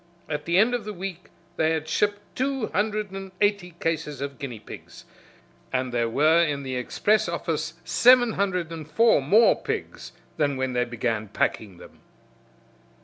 At the end of the week they had shipped two hundred and eighty cases of guinea pigs, and there were in the express office seven hundred and four more pigs than when they began packing them.